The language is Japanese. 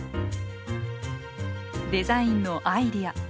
デザインのアイデア。